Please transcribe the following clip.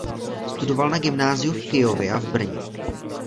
Studoval na gymnáziu v Kyjově a v Brně.